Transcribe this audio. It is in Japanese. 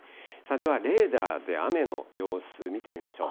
ではレーダーで雨の様子見てみましょう。